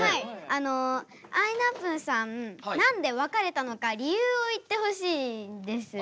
あのあいなぷぅさん何で別れたのか理由を言ってほしいです。